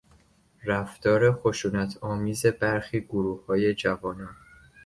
رفتار خشونتآمیز برخی گروههای جوانان